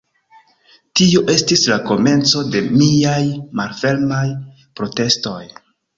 Tio estis la komenco de miaj malfermaj protestoj.